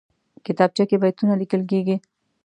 کتابچه کې بیتونه لیکل کېږي